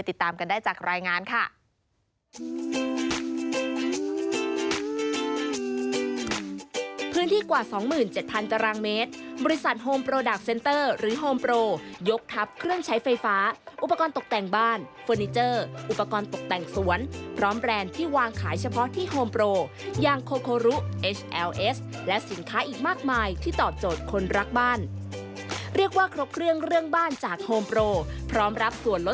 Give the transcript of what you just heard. ติดตามกันได้จากรายงานค่ะ